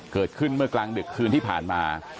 เกิดขึ้นเมื่อกลางดึกคืนที่ผ่านมา